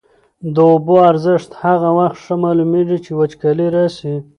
د اوبو ارزښت هغه وخت ښه معلومېږي چي وچکالي راسي.